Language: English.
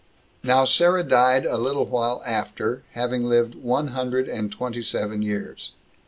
Now Sarah died a little while after, having lived one hundred and twenty seven years.